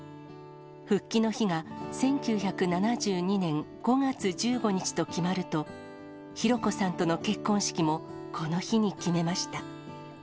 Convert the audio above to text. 復帰の日が１９７２年５月１５日と決まると、弘子さんとの結婚式も、この日に決めました。